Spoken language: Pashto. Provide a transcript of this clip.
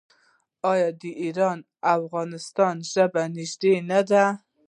آیا د ایران او افغانستان ژبه نږدې نه ده؟